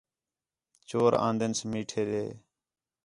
چور آندیس میٹھے ݙے